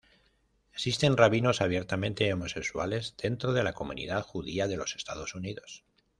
Existen rabinos abiertamente homosexuales dentro de la comunidad judía de los Estados Unidos.